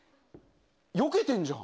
よけてんじゃん。